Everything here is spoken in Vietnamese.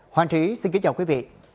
hoàng trí xin kính chào quý vị